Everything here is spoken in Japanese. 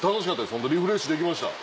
ホントリフレッシュできました。